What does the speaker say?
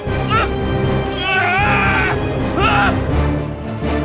tidak ada yang bisa dikawal